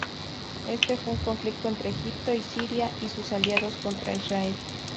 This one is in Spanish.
Este fue un conflicto entre Egipto y Siria y sus aliados contra Israel.